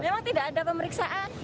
memang tidak ada pemeriksaan